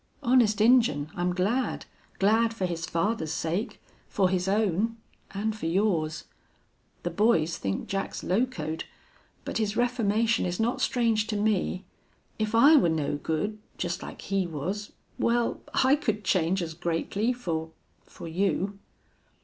"Honest Injun, I'm glad glad for his father's sake, for his own, and for yours. The boys think Jack's locoed. But his reformation is not strange to me. If I were no good just like he was well, I could change as greatly for for you."